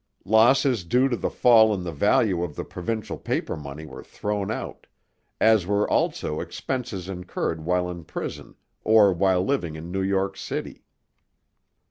Losses due to the fall in the value of the provincial paper money were thrown out, as were also expenses incurred while in prison or while living in New York city.